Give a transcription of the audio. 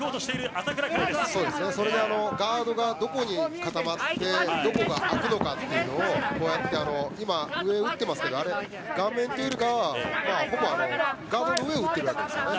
ガードがどこに固まってどこが空くのかというのを今、上を打ってますけどあれは顔面というよりはほぼガードの上を打ってるだけですよね。